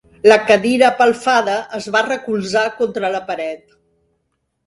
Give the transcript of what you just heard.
La cadira apelfada es va recolzar contra la paret.